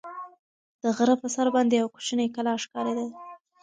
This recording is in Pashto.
د غره په سر باندې یوه کوچنۍ کلا ښکارېده.